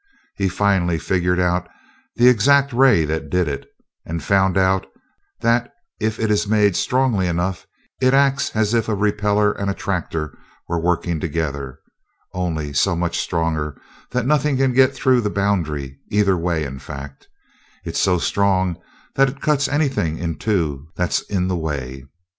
He finally figured out the exact ray that did it, and found out that if it is made strongly enough, it acts as if a repeller and attractor were working together only so much stronger that nothing can get through the boundary, either way in fact, it's so strong that it cuts anything in two that's in the way.